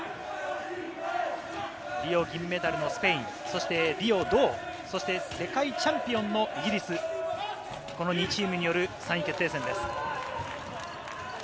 リオ銀メダルのスペイン、そしてリオ銅、世界チャンピオンのイギリス、この２チームによる３位決定戦です。